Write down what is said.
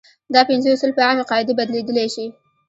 دا پنځه اصول په عامې قاعدې بدلېدلی شي.